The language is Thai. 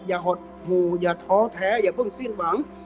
หดหู่อย่าท้อแท้อย่าเพิ่งสิ้นหวัง